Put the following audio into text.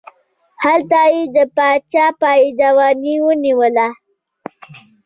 هلته یې د باچا پایدواني ونیوله.